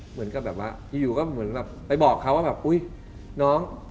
เหมือนกับแบบว่าอยู่ก็เหมือนแบบไปบอกเขาว่าแบบอุ๊ยน้อง